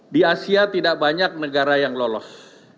di asia tidak banyak negara yang lolos